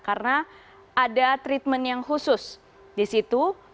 karena ada treatment yang khusus disitu